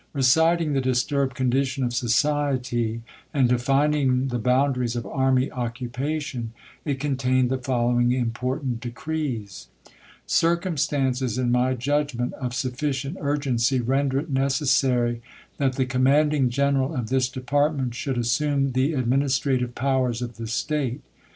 Reciting the disturbed condition of society, and defining the boundaries of army occupa tion, it contained the following important decrees : Circumstances, in my judgment of sufficient urgency, render it necessary that the commanding general of this department should assume the administrative powers of the State.